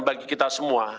bagi kita semua